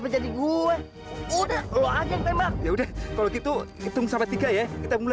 asalkan kamu mau pergi ninggalin hutan ini